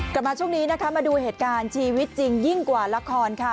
กลับมาช่วงนี้นะคะมาดูเหตุการณ์ชีวิตจริงยิ่งกว่าละครค่ะ